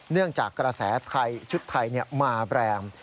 เนื่องจากกระแสไทยชุดไทยมาแบรนด์